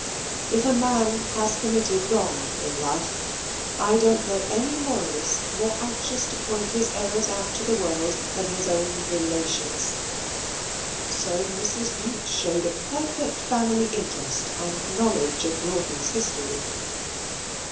If a man has committed wrong in life, I don't know any moralist more anxious to point his errors out to the world than his own relations; so Mrs. Bute showed a perfect family interest and knowledge of Rawdon's history.